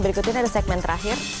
berikut ini ada segmen terakhir